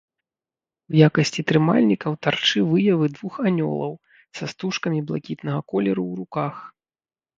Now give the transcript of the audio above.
У якасці трымальнікаў тарчы выявы двух анёлаў са стужкамі блакітнага колеру ў руках.